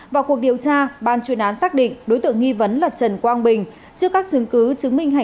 vào cuộc điều tra ban chuyên án xác định đối tượng nghi vấn là trần quang bình